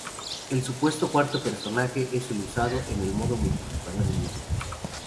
El supuesto cuarto personaje es el usado en el modo multijugador en línea.